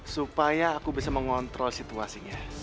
supaya aku bisa mengontrol situasinya